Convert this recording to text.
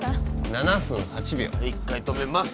７分８秒１回止めます